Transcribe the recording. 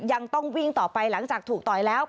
ยังต้องวิ่งต่อไปหลังจากถูกต่อยแล้ว